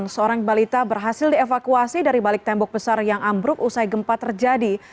seorang balita berhasil dievakuasi dari balik tembok besar yang ambruk usai gempa terjadi